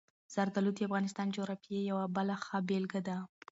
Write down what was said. زردالو د افغانستان د جغرافیې یوه بله ښه بېلګه ده.